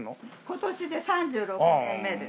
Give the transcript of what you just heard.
今年で３６年目です。